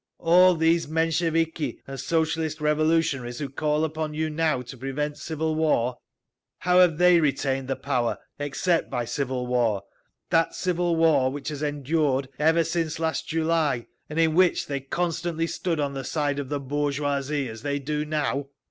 All these Mensheviki and Socialist Revolutionaries who call upon you now to prevent civil war—how have they retained the power except by civil war, that civil war which has endured ever since last July, and in which they constantly stood on the side of the bourgeoisie, as they do now?